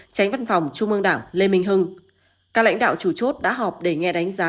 tránh văn phòng trung ương đảng lê minh hưng các lãnh đạo chủ chốt đã họp để nghe đánh giá